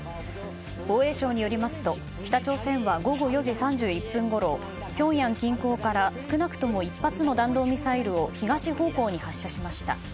防衛省によりますと北朝鮮は午後４時３１分ごろピョンヤン近郊から少なくとも１発の弾道ミサイルを東方向に発射しました。